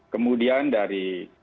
kemudian dari kotak amal